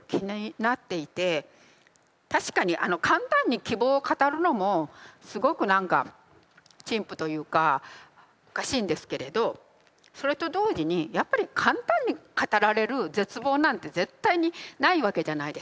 確かに簡単に希望を語るのもすごく何か陳腐というかおかしいんですけれどそれと同時にやっぱり簡単に語られる絶望なんて絶対にないわけじゃないですか。